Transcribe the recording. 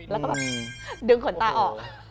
แล้วก็แบบดึงขนตาออก